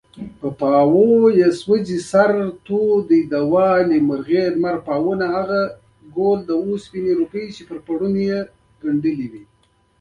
ستا د نوم مانا په پښتو کې څه ده ؟